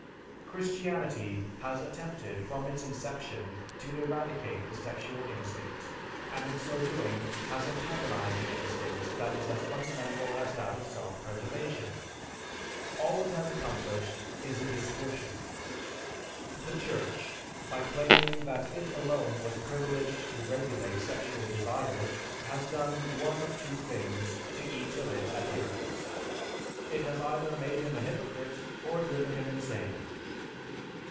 Christianity has attempted from its inception to eradicate the sexual instinct and in so doing has antagonized an instinct that is as fundamental as that of self preservation. All it has accomplished is a distortion. The church, by claiming that it alone was privileged to regulate sexual desires, has done one of two things to each of its adherents. It has either made him a hypocrite or driven him insane.